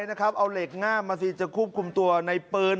นะครับเอาเหล็กน่าบมาซี่จะควบคุมตัวในปืน